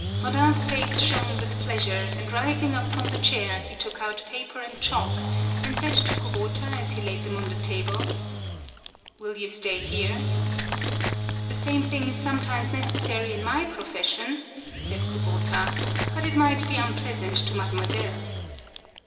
Rodin's face shone with pleasure, and rising up from the chair, he took out paper and chalk, and said to Kubota as he laid them on the table: 46 HANARO "Will you stay here?" "The same thing is sometimes neces sary in my profession," said Kubota, "but it might be unpleasant to Made moiselle."